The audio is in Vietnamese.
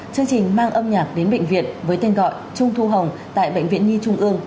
chương trình mang âm nhạc đến bệnh viện với tên gọi trung thu hồng tại bệnh viện nhi trung ương